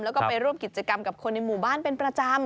แล้วก็ไปร่วมกิจกรรมกับคนในหมู่บ้านเป็นประจำ